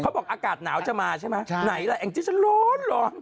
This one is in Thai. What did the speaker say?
บอกอากาศหนาวจะมาใช่ไหมไหนล่ะแองจี้ฉันร้อนร้อน